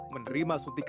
menerima suntikan informasi